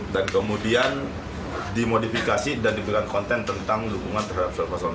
dan kemudian dimodifikasi dan diberikan konten tentang dukungan terhadap seluruh pasangan